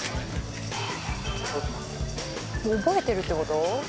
覚えてるってこと？